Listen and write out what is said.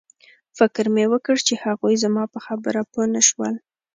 فکر مې وکړ چې هغوی زما په خبره پوه نشول